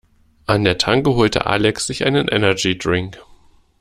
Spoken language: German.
An der Tanke holte Alex sich einen Energy-Drink.